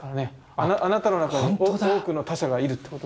あなたの中に多くの他者がいるってこと。